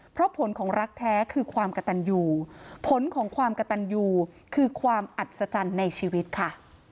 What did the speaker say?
เพราะผลของรักแท้คือความกระตันอยู่ผลของความกระตันยูคือความอัศจรรย์ในชีวิตค่ะ